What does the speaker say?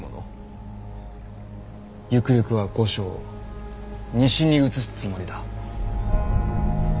ゆくゆくは御所を西に移すつもりだ。